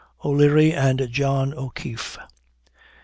O'LEARY AND JOHN O'KEEFE.